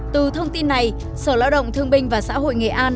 từ thông tin này sở lao động thương binh và xã hội nghệ an